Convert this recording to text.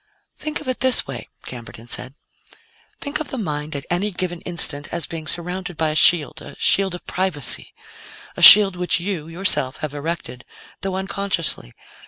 "Think of it this way," Camberton said. "Think of the mind at any given instant as being surrounded by a shield a shield of privacy a shield which you, yourself have erected, though unconsciously.